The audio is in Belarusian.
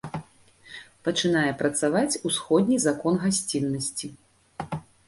Пачынае працаваць усходні закон гасціннасці.